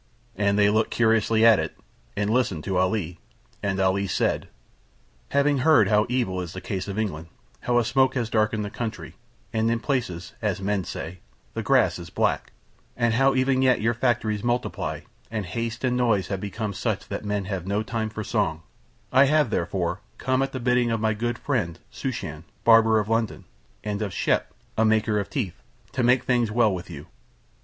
And they looked curiously at it and listened to Ali, and Ali said: "Having heard how evil is the case of England, how a smoke has darkened the country, and in places (as men say) the grass is black, and how even yet your factories multiply, and haste and noise have become such that men have no time for song, I have therefore come at the bidding of my good friend Shooshan, barber of London, and of Shep, a maker of teeth, to make things well with you."